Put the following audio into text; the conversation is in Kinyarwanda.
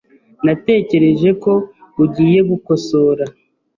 Natekereje ko ugiye gukosora .